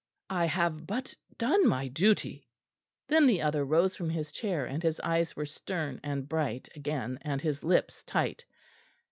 "I have but done my duty." Then the other rose from his chair, and his eyes were stern and bright again and his lips tight.